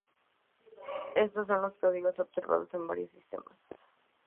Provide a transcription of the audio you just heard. Éstos son los códigos observados en varios sistemas.